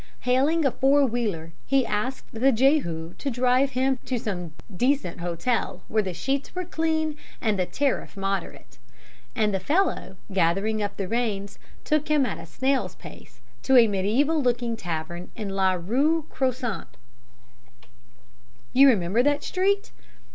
"Hailing a four wheeler, he asked the Jehu to drive him to some decent hostel where the sheets were clean and the tariff moderate; and the fellow, gathering up the reins, took him at a snail's pace to a mediæval looking tavern in La Rue Croissante. You remember that street?